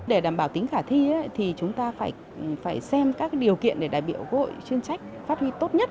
để đảm bảo tính khả thi thì chúng ta phải xem các điều kiện để đại biểu quốc hội chuyên trách phát huy tốt nhất